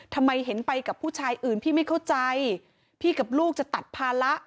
ทำไมเห็นไปกับผู้ชายอื่นพี่ไม่เข้าใจพี่กับลูกจะตัดภาระ